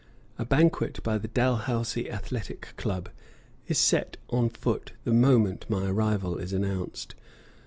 A banquet by the Dalhousie Athletic Club is set on foot the moment my arrival is announced.